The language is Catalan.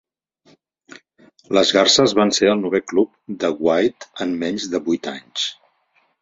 Les Garses van ser el novè club de Withe en menys de vuit anys.